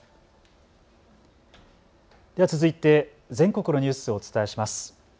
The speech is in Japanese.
続いて全国のニュースをお伝えします。